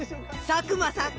佐久間さん